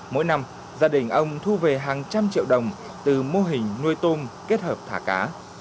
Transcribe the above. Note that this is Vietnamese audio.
mỗi năm gia đình ông thu về hàng trăm triệu đồng từ mô hình nuôi tôm kết hợp thả cá